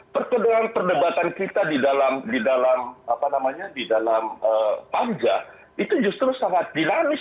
perkedelan perdebatan kita di dalam apa namanya di dalam panja itu justru sangat dinamis